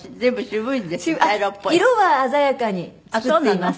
色は鮮やかに作っています。